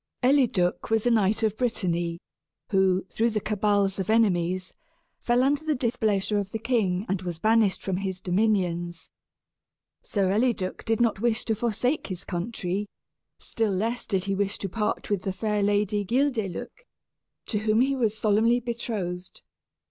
_) Eliduc was a knight of Brittany who, through the cabals of enemies, fell under the displeasure of the king and was banished from his dominions. Sir Eliduc did not wish to forsake his country, still less did he wish to part with the fair Lady Guildeluec, to whom he was solemnly betrothed.